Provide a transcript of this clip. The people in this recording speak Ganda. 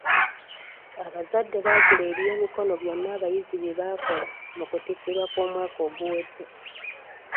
Abazadde baagula eby'emikono byonna abayizi bye bakola mu kutikkirwa kw'omwaka oguwedde .